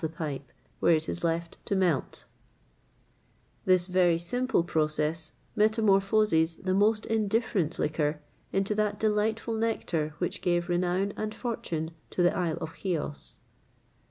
[XXVIII 116] This very simple process metamorphoses the most indifferent liquor into that delightful nectar which gave renown and fortune to the isle of Cos.